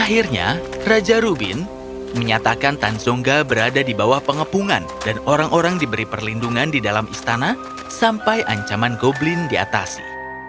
akhirnya raja rubin menyatakan tan zongga berada di bawah pengepungan dan orang orang diberi perlindungan di dalam istana sampai ancaman goblin diatasi